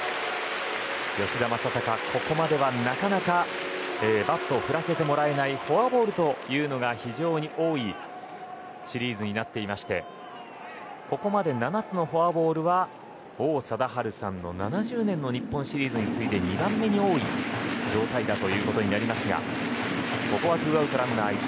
吉田正尚、ここまでなかなかバットを振らせてもらえずフォアボールというのが非常に多いシリーズになっていましてここまで７つのフォアボールは王貞治さんの７０年の日本シリーズに次いで２番目に多い状態ですが。